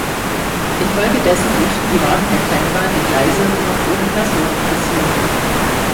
Infolgedessen durften die Wagen der Kleinbahn die Gleise nur noch ohne Personen passieren.